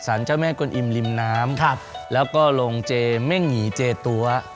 เจ้าแม่กลอิมริมน้ำแล้วก็โรงเจเม่งหยีเจตัว